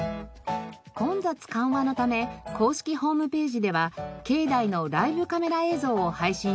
混雑緩和のため公式ホームページでは境内のライブカメラ映像を配信しています。